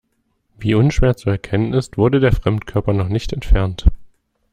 Wie unschwer zu erkennen ist, wurde der Fremdkörper noch nicht entfernt.